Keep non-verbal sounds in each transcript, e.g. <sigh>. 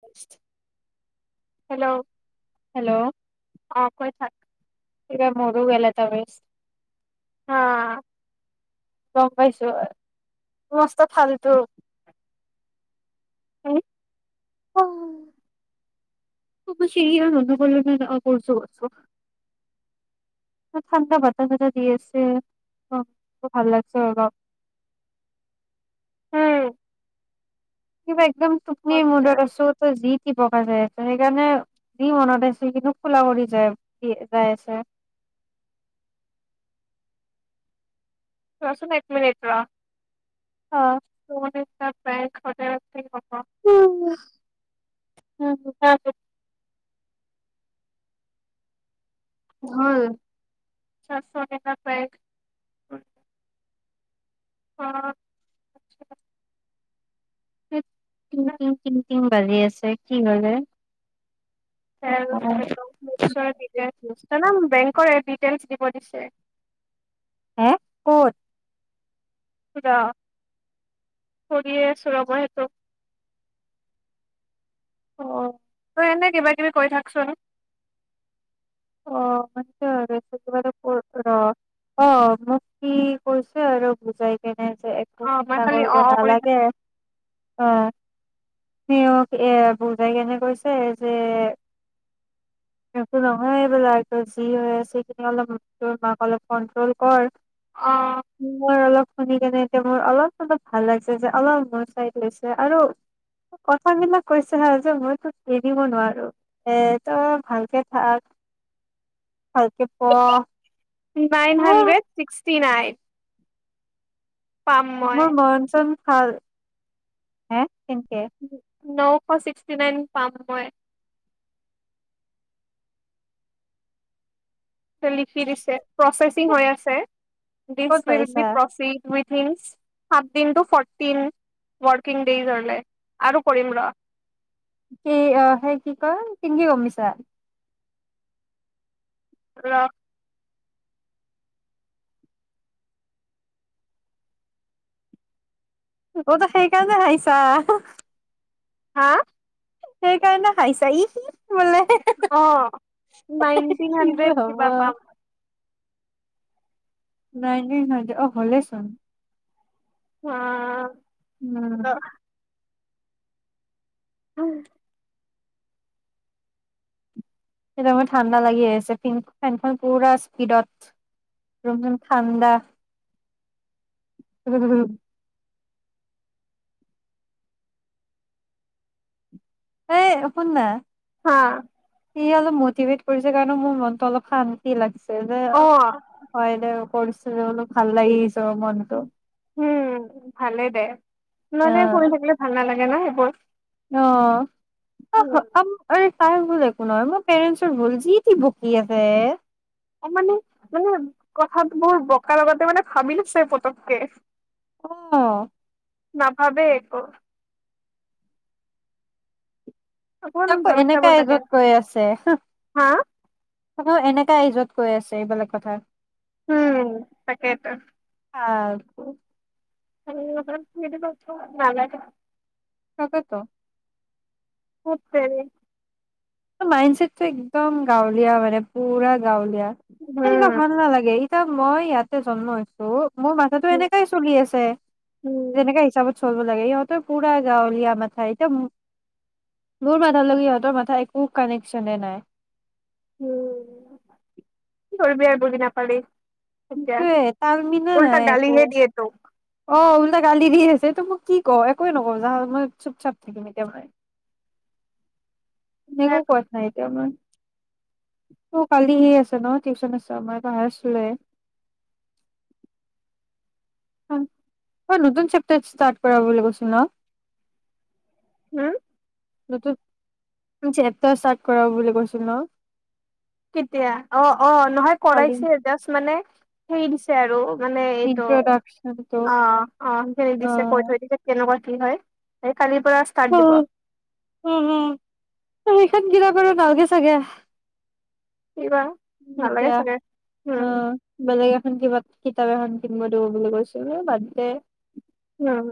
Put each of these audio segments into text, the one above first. হয়। Hello. Hello. অ', কৈ থাক। কি মোৰো গেল ত বছ অ'। গম পাইছো মস্ত ফালটো অ'। অৰি আৰু কৰিছো কছো ঠাণ্ডা বটা চটা দি আছে অ', ভাল লাগছে আৰু। উম। কিবা একদম তুপনি মুডত আছো। বকা যাই আছে সেইকাৰণে দি মনত আছ কিন্তু খোলা কৰি যায় দি যাই আছে। কচোন এক মিনিট ৰ'। ত'। বেক খট আ উম উম। হয়। <unintelligible> অ'। উম। উম, উম, উম। <unintelligible> <unintelligible> তামাম বেং কৰে ডিটেইলছ দিব দিছে। হা ক'ত কৰিয়ে আছো ৰ'ব সেইটো। অ'। নে কিবা কিবি কৰি থাকচোন। অ', ম আৰু টোব অ' মুক্তি কৰিছে আৰু বুজাই কে যে একো অ মই চিন্তা খালি কৰিব অ অ কৰি থাক নালাগে। অ', সিয়ক এ বুজাই কেনে কৈছে যে একো হয়, এইবিলাক যি হৈ আছে সেইখিনি অলপ তোৰ মাক অলপ কন্ট্ৰল কৰ। অ মই অলপ শুনি কেনে এতিয়া মোৰ অলপ অলপ ভাল লাগিছে যে অলপ মন চাই লৈছে আৰু কথাবিলাক কৈছে হা যে মই তোক এৰিব নোৱাৰো এ তই ভালকে থাক। ভালকে প নাইন হণ্ড্ৰেড চিক্স চি নাই। মই মনচন খাল, হে কেনকে? নশ ছিক্সটি নাইন পাম মই। লিখি দিছে, প্ৰচেছ ৰিং হৈ আছে। ক'ত ডছ উইল পাইছা be proceed with to ফটিন working days হ'লে, আৰু কৰিম ৰ'। কি হে কি কয় কিনকে গমিছা? <unintelligible> ক'ত সেইকাৰণে আহিছা। হা সেইকাৰণে খাইছা ই বোলে অ' নাইনটিন কি যে হাণ্ড্ৰেড হ'ব কিবা পাম। নাই নাই নাই অ' হ'লেইচোন। অ' উম। অ'। সেইটো আমাৰ ঠাণ্ডা লাগি আহিছে ফিন ফেনখন পুৰা স্পীডত ৰুমখন ঠাণ্ডা। এই সুন না হা সি অলপ মটিভেট কৰিছে কাৰণে মোৰ মনতটো অলপ শান্তি লাগিছে। এইযে অ হয়দে পৰিচে অলপ ভাল লাগি উম, ভালেই দে, অ নাল কৰি থাকিলে ভাল নালাগে না। <unintelligible> অ'। <unintelligible> তাই ভুল একো নহয়, মোৰ পেৰেন্টছৰ ভুল, যি তি বকি আছে, তাৰ মানে কথাত বোৰ বোক লগাতে মানে ভাবিলোছে পতককে। অ'। না ভাবে একো। অকমান তাকো ভাবি চাব এনেকা লাগে এজত কৈ আছে, হা তকো এনে এজত কৈ আছে এইবিলাক কথা। উম, তাকেইতো। আ কৌ <unintelligible> তাকেতো। কত্তৰি মাইণ্ড ছেটটো একদম গাঁৱলীয়া মানে পুৰা গাঁৱলীয়া। উম তেনেকুৱা ভাল নালাগে। এয়া মই ইয়াতে জন্ম হৈছো। মোৰ মানুহটো এনেকাই চলি আছে উম যেনেকাে হিচাপত চলো। লে ইহঁতৰ পুৰা গাঁৱলীয়া মাথা এতিয়া মোৰ মাথাল লগে ইহঁতৰ মাথা এক কানেকচনে নাই। উম। কৰিবি আৰু বুজি নাপালি। এতিয়া সেটোয়ে তালমিনা উল্টা নাই একো গালিহে দিয়ে তোক অ'। টা গালি দি আছে তটো মোক কি কও একোৱে নকব জাহ মই চুপ চাপ থাকিম এতিয়া ম এনে একো কথা নাই এতিয়া আমাৰ ত' কালি সে আছে ন' টিউচন আছে মই পাহাৰ চুলে। অ', নতুন চেপ্তাৰ ষ্টাৰ্ট কৰা বুলি কৈছোন ন'। হম। নতুন চেপটাৰ ষ্টাৰ্ট কৰা বুলি কৈছিলো ন'। কেতিয়া অ', অ', নহয় কালি কৰাইছে জাষ্ট মানে। সেই দিছে আৰু মানে এইটো ইন্ট্ৰডাকচনটো অ', অ', সেইখিনিক অ দিছে কৈ থৈ দিছে কেনেকুৱা। কি হয় এই কালিৰ পৰা ষ্টাৰ্ট দিব উম, উম, উম। তাত গিল পাৰৰ তালগে চাগে কি বা নালাগে এতিয়া চাগে উম অ', বেলেগ এখন কিবা কিতাপ এখন কিনিব দিব বুলি কৈছিলো বাদ্দে। উম।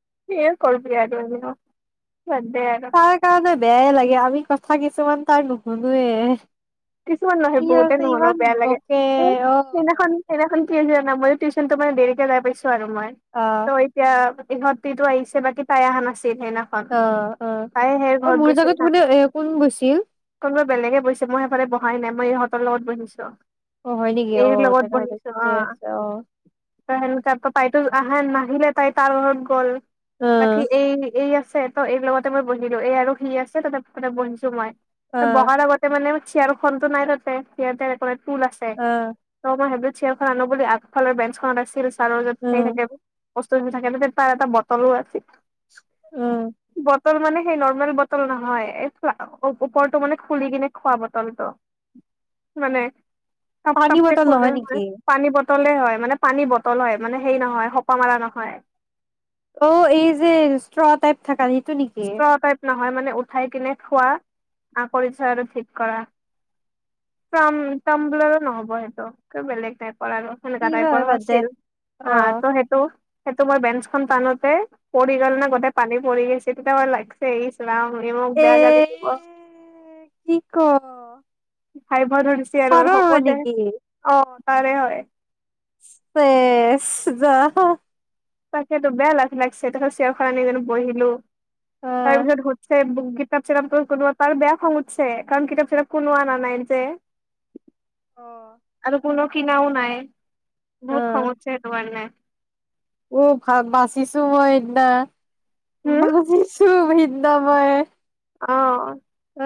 <unintelligible> বাদ দে আৰু তাৰ কাৰণে আৰু। বেয়াই লাগে আমি কথা কিছুমান তাৰ নুশুনোৱে। কিছুমান নহয় কি বহুতে আছে নহ'লে ইমান বেয়া লাগে বকে এই অ সেইদিনাখন সেইদিনাখন কি হৈছে ন মই টিউচনটো মানে দেৰিকে যাই পাইছোঁ। আৰু মই অ ত' এতিয়া ইহঁত তো আহিছে বাকী পাই অহা নাছে অ', অ', অ', ঘৰত মোৰ গৈছিল জাগাত না। মলে এ কোন গৈছিল? কোনোবা বেলেগে বৈছে মই বহাই নাই মই ইহঁতৰ লগত বহিছো। অ', হয় নেকি এইৰ অ', লগত তেনেহ'লে বহিছো অ'। ঠিকে আছে অ'। ত' সেনেকা ত' তাইতো আহে নাহিলে তাই তাৰ ঘৰত গ'ল। অ বাকী এই এই আ আছে ত' এই লগতে মই বহিলো এই আৰু সি আছে তাতেতে বহিছো মই। অ বহাৰ আগতে মানে চিয়াৰ খনো নাই তাতে সিহঁতে তেনেক ফুল আছে অ তইমই হেবিত চেয়াৰখন আনো বুলি আগফালৰ বেঞ্চখনত আছিল। চাৰলৈ চাই উম থাকে। বস্তু থাকে তাৰ এটা বটলো আছিল। উম বটল মানে সেই নৰ্মেল বটল নহয় এই ওপৰতটো মানে খুলি কিনে খোৱা বল। তলত মানে তব পানী তবক বটল খুলে নহয় নেকি পানী ব বটলে হয় মানে পানী বটল হয় মানে সেই নহয় খোপা মৰা নহয়। অ', এই যে ষ্ট্ৰটাইপ থাক ন'। ইষ্ট্ৰৰ তাইপ ন' নহয় মানে উঠাই কিনে খোৱা আকৰি থয় আৰু ঠিক কৰা। তামলৰ নহ'ব সিত বেলেগ টাইপ পাৰ কি সেনেকা বা হয় তাইপৰ বাদ দে আছিল অ হা ত সেইটো সেইটো মই বেঞ্চখন টানোতে পৰি গ'ল নে গোটেই পানী পৰি আছে গতেই সোপাই লাৰিছে ইছৰাম বুলি মোক এ বেয়া গালি দিব। কি ক পাইব ভ ধৰিছ আৰু চাৰৰ হয় হ'বদে নেকি অ'। চাৰে হয়। চেছ যা। তাকেটো বেয়া লাজ লাগছে তেখেত চেয়াৰ খন আনি বঢ়িলো। অ তাৰপিছত হছেই বুগদি কিতাপ চিতাপ কোনা বেয়া খং উঠছে কাৰণ কিতাপ চিতাপ কোনো আনা নাই যে। আৰু কোনো কিনাও নাই। অ বহুত খঙ উটছে তোমাৰ কাৰণে। উ ভা ভাল বাচিছো মই হেইদিনা। হুম বাছিছো। হো নিত্য ভয়। অ'। এ,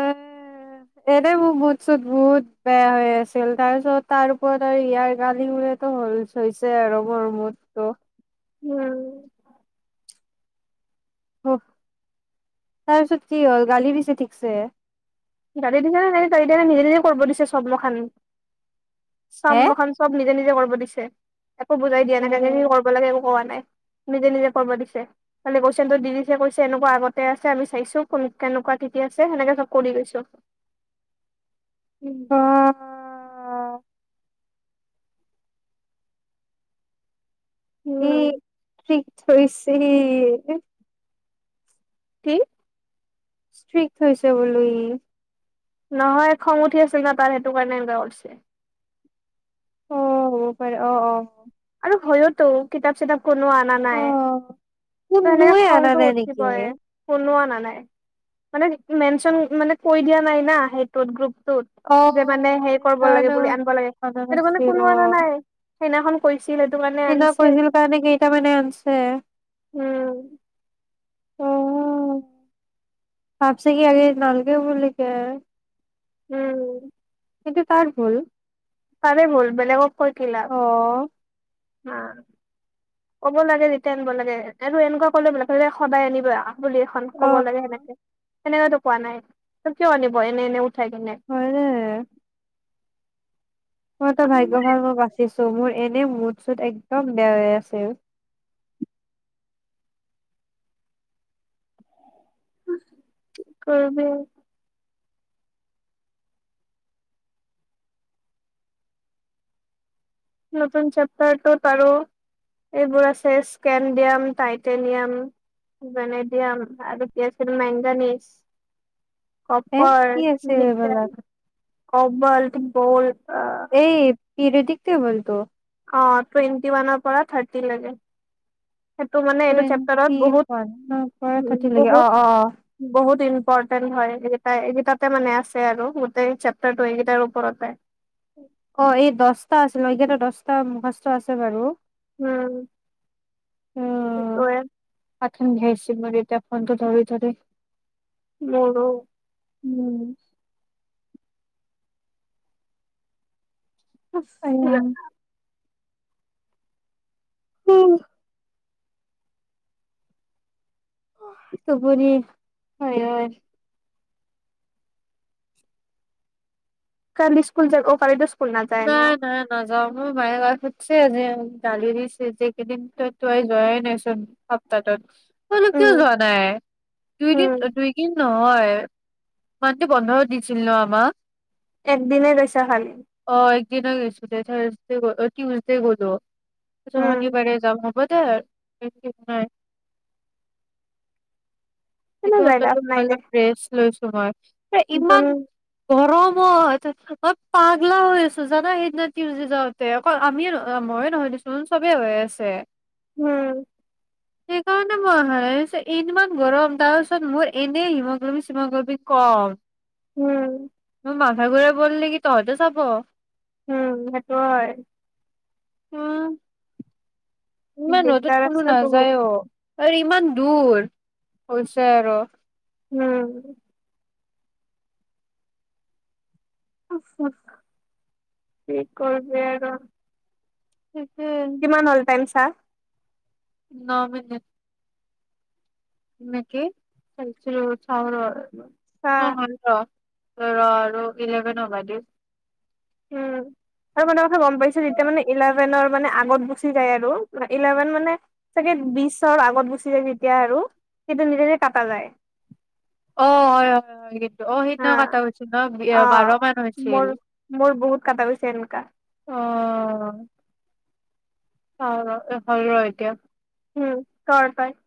এনে মোৰ মুট চুত বহুত বেয়া হৈ আছিল তাৰপিছত তাৰ ওপৰত আৰু ইয়াৰ গালি সুনি হৈছে আৰু মোৰ মুডটো। উম। তাৰ পিছত কি হ'ল গালী দিছে ঠিকছে। ৰাতি দিছে ন' এ নিজে নিজে কৰিব দিছে চব মখান চাম হে মখান চব নিজে নিজে কৰিব দিছে। একো বুজাই দিয়া নাই কেনেকে কি কৰিব লাগে একো কোৱা নাই। নিজে নিজে কৰিব দিছে খালি কুইচন দি দিছে কৈছে এনেকুৱা আগতে আছে আমি চাইছো কেনেকুৱা কি আছে সেনেকে চব কৰি গৈছো। অ', অ', অ'। উম, ঠিক থইছ <inaudible> কি? ষ্ট্ৰিক্ট হৈছে ব'লো ই। নহয় খং উঠি আছিল না তাৰ সেইটো কাৰণে এনে উঠছে। অ' হ'ব পাৰে অ', অ'। হয়োতো কিতাপ চিতাপ কোনো অনা নাই। ত কোনো সেনেকে নুই আনা খংটো নে, নেকি উঠিবই। এ কোনো অনা নাই মানে মেনচোন মানে কৰি দিয়া নাই সেইটো গ্ৰুপ অ মানে হে কৰিব লাগে সেইকাৰণে বুলি আনিব লাগে অনা সেইটো কাৰণে কোনো অনা নাই। সেইনাখন কৈছে সেইদি কৈছিল কাৰণে কেইটামানে আনছে উম। অ'ও ভাবছে কি আজি নালগে বুলি কে। উম। সেইটো তাৰ ভুল। তাৰে ভুল বেলেগক কৈ কি অ', লাভ। হ ক'ব লাগে যেতিয়া আনিব লাগে আৰু এনেকুৱা কলে বিলাক সদায় আনিব। বুলি এখন ক'ব লাগে অ', সেনেকে সেনেকা টো কোৱা নাই কিয় আনিব এনে এনে থাই কেনে মইতো ভাগ্য ভাল মই বাচিছো মই এনে মুড চুত একদম বেয়া হৈ আছে ও। কি কৰিবি? নতুন চেপ্তাৰটোত আৰু এইবোৰ আছে স্কেনডিয়াম টাইটেনিয়াম ভেনেডিয়াম আৰু কি আছিল মেংগানিজ এ কপাৰ, কি আছিল নিকেল এইবিলাক কম্বল, ব'ল এই পিৰেডিকতে বলতো অ', টুৱেণ্টি ওৱানৰ পৰা থাৰ্টি লৈকে। সেইটো মানে টুৱেণ্টি এইটো চেপ্টাৰত হয়, বহুত <unintelligible> <unintelligible> অ', অ', অ'। ইম্পৰটেন্ট হয়, এইকেইটাএগেইতাতে মানে আছে আৰু গোটেই চেপ্টাৰটো এইকেইটাৰ ওপৰতে অ', এই দশটা আছে, এইগেতাৰ দশটা মুখাস্ত আছে বাৰু উম, সেইটো উম, এ। <unintelligible> ফোনটো ধৰি থাকে। <unintelligible> উম। অ'। <inaudible> <unintelligible> হয় হয়। কালি স্কুল য অ' পাৰে যে অ', কালিটো নাই, নাই, নাযাওঁ। মোৰ মায়ে <unintelligible> সুধ্ছে, আজি গালি দিছে যে কেইদিন ত' তো যোৱাই নাইচোন, সপ্তাহটোত। ত‌ইনো কিয় উম, যোৱা নাই? দুইদিন, উম। দুইদিন ন'? হয় ইমানটো বন্ধও দিছিল ন' আমাক। এক দিনে গৈছা খালি। অ', একদিনে গৈইছিলোঁ থাৰ্ছডে গ টিউজডে গলোঁ। উম, শনিবাৰে যাম হ'ব? <unintelligible> কিন্তু সেইটো যাই লাভ সপ্তাহটোত মই নাই দে অলপ ৰেষ্ট লৈছোঁ। <unintelligible> এ যোন ইমান গৰম। মই <unintelligible> মই পাগলা হৈ আছোঁ জানা সেইদিনা টিউজডে যাওঁতে, অকল আমিয়ে <unintelligible> মইয়ে নহয় দেছোন চবেই হৈ আছে। উম। সেইকাৰণে মই আহা নাই, <unintelligible> ইমান গৰম। তাৰ পিছত মোৰ এনেই হিমোগ্ল'বিন ছিমোগ্ল'বিন কম। উম। মোৰ মাথা ঘুৰাই পৰিলে কি তহঁতে চাব? উম' সেইটোও হয়। উম' ইমান ৰ'দত দিগদাৰ কোনো আছে বহুত নাযায়ও। আৰু ইমান দূৰ হৈছে আৰু। উম' <unintelligible> হুম হুম, কি কৰিবি আৰু? তাকেই <unintelligible> চাহ ন মিনট। নেকি? চাইছিলোঁ চাউলৰ অ', চা। শান্ত ৰ আৰু ইলেভেন <unintelligible> উম আৰু মানে কথা গম পাইছো যেতিয়া মানে ইলেভেনৰ মানে আগত গুচি যায় আৰু ইলেভেন মানে চাগে বিশৰ আগত গুচি যায় যেতিয়া আৰু সেইটো নিজে নিজে কটা যায়। অ হয় হয়। অ সেইদিনা হা কাটা গৈছিল ন অ বাৰ মান হৈছিল। মোৰ মোৰ বহুত কটা গৈছে এনেকা অঁ। চাওঁ ৰ এ হয় ৰ এতিয়া। উম কৰ তই।